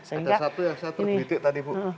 ada satu ya satu kritik tadi bu